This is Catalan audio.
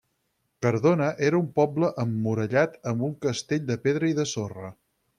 Cardona era un poble emmurallat amb un castell de pedra i de sorra.